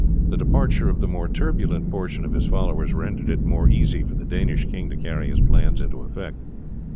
The departure of the more turbulent portion of his followers rendered it more easy for the Danish king to carry his plans into effect.